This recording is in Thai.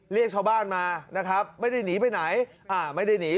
เรียกชาวบ้านมานะครับไม่ได้หนีไปไหนอ่าไม่ได้หนี